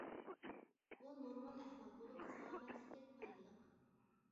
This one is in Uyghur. بۇ نورمال ئەھۋال بولۇپ سالامەتلىككە پايدىلىق.